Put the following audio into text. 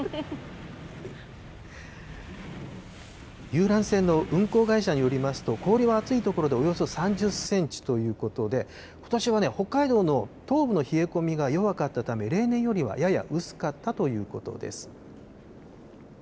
遊覧船の運航会社によりますと、氷は厚い所でおよそ３０センチということで、ことしは北海道の東部の冷え込みが弱かったため、例年よりはやや薄かったということです。